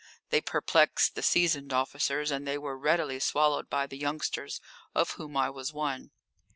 They perplexed the seasoned officers and they were readily swallowed by the youngsters, of whom I was one.